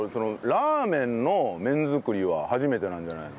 ラーメンの麺作りは初めてなんじゃないの？